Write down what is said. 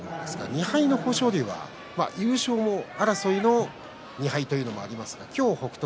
２敗の豊昇龍は優勝争いの２敗ということもありますが今日は北勝